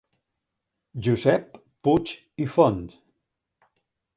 Josep Puig i Font.